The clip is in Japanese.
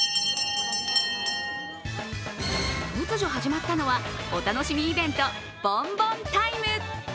突如始まったのはお楽しみイベント、ボンボンタイム。